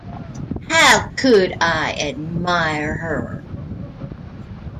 How could I admire her?